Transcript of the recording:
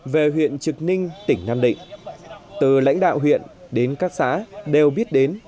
về huyện trực ninh tỉnh nam định từ lãnh đạo huyện đến các xã đều biết đến